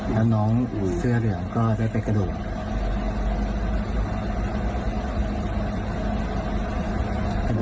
แล้วน้องเสื้อเหลืองก็ได้ไปกระดูก